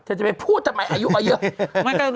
จะไปพูดทำไมอายุก็เยอะ